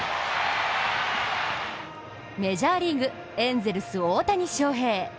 メジャーリーグ、エンゼルス・大谷翔平。